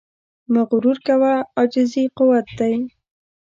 مه غرور کوه، عاجزي قوت دی.